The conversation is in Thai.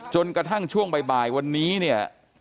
จนกระทั่งช่วงบ่ายวันนี้เนี่ย